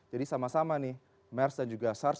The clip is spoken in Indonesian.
jadi sama sama nih mers dan juga sars